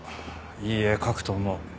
いい絵描くと思う。